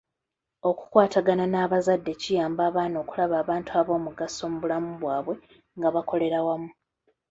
Okukwatagana n'abazadde kiyamba abaana okulaba abantu ab'omugaso mu bulamu bwabwe nga bakolera wamu.